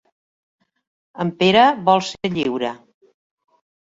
En Pere vol ser lliure.